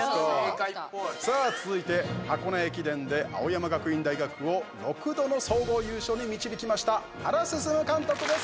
さあ、続いて箱根駅伝で青山学院大学を６度の総合優勝に導きました原晋監督です。